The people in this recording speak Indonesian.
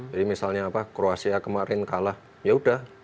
jadi misalnya kruasia kemarin kalah ya sudah